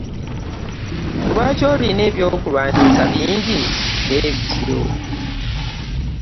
Lwaki olina eby'okulwanisa bingi bwe bityo?